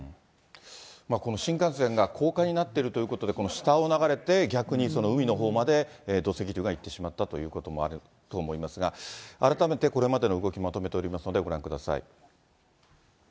この新幹線が高架になっているということで、この下を流れて、逆にその海のほうまで、土石流が行ってしまったということもあると思いますが、改めてこれまでの動き、まとめておりますので、ご覧ください。